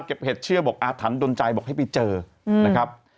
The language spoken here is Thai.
เห็ดเชื่อบอกอาถรรพนใจบอกให้ไปเจอนะครับ